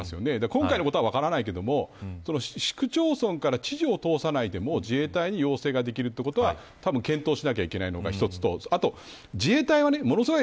今回のことは分からないけれど市区町村から知事を通さなくても自衛隊に要請できるということは検討しなければいけないということが一つ。